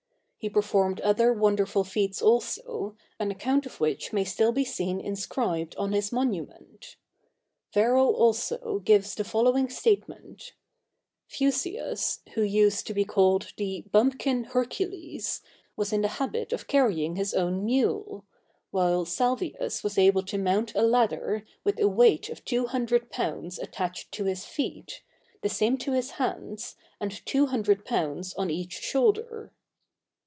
He performed other wonderful feats also, an account of which may still be seen inscribed on his monument. Varro, also, gives the following statement: "Fusius, who used to be called the 'bumpkin Hercules,' was in the habit of carrying his own mule; while Salvius was able to mount a ladder, with a weight of two hundred pounds attached to his feet, the same to his hands, and two hundred pounds on each shoulder."